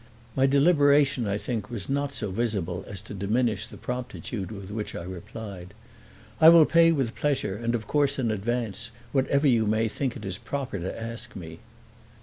My deliberation, I think, was not so visible as to diminish the promptitude with which I replied, "I will pay with pleasure and of course in advance whatever you may think is proper to ask me."